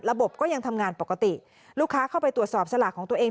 ก็ยังทำงานปกติลูกค้าเข้าไปตรวจสอบสลากของตัวเอง